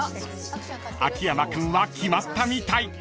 ［秋山君は決まったみたい］